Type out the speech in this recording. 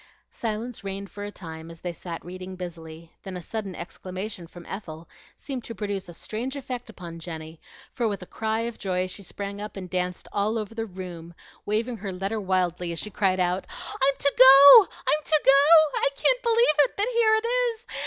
Silence reigned for a time, as they sat reading busily; then a sudden exclamation from Ethel seemed to produce a strange effect upon Jenny, for with a cry of joy she sprang up and danced all over the room, waving her letter wildly as she cried out, "I'm to go! I'm to go! I can't believe it but here it is!